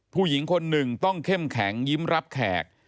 ผู้หญิงคนหนึ่งต้องเข้มแข็งยิ้มรับแขก